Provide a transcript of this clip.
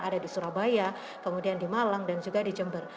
ada di surabaya kemudian di malang dan juga di jember